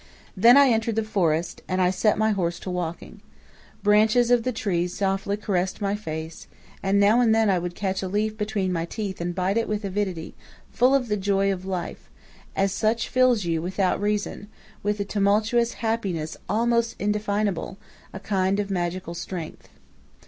"Then I entered the forest, and I set my horse to walking. Branches of the trees softly caressed my face, and now and then I would catch a leaf between my teeth and bite it with avidity, full of the joy of life, such as fills you without reason, with a tumultuous happiness almost indefinable, a kind of magical strength.